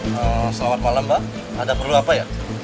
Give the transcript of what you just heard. selamat malam mbak ada perlu apa ya